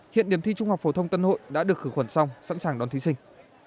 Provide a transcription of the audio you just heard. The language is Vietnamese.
hiện điểm thi trung học phổ thông tân hội đã được khử khuẩn xong sẵn sàng đón thí sinh